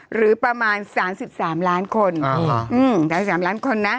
หรือประมาณ๓๓ล้านคน